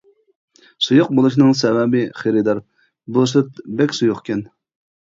سۇيۇق بولۇشنىڭ سەۋەبى خېرىدار: بۇ سۈت بەك سۇيۇق ئىكەن.